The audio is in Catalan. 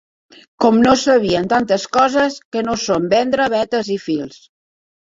Com no sabien tantes coses que no són vendre betes i fils.